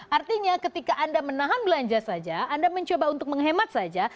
artinya ketika anda menahan belanja saja anda mencoba untuk menghemat saja